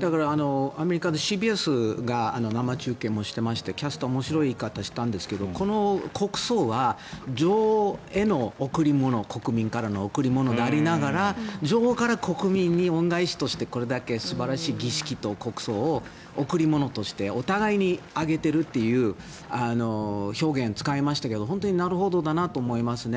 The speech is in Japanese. だからアメリカでＣＢＳが生中継もしていましてキャスターも面白い言い方をしたんですがこの国葬は、女王への国民からの贈り物でありながら女王から国民に恩返しとしてこれだけ素晴らしい儀式と国葬を贈り物としてお互いに挙げているという表現を使いましたけどなるほどなと思いますね。